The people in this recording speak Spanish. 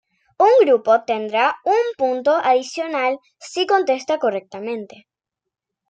Un grupo tendrá un punto adicional si contesta correctamente.